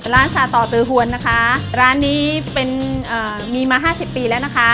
สาต่อตือหวนนะคะร้านนี้เป็นมีมาห้าสิบปีแล้วนะคะ